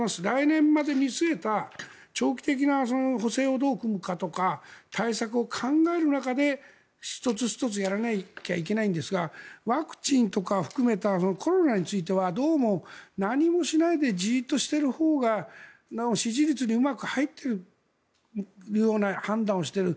来年まで見据えた長期的な補正をどう組むかとか対策を考える中で１つ１つやらないといけないんですがワクチンを含めたコロナについてはどうも何もしないでじっとしているほうが支持率にうまく入ってくるような判断をしている。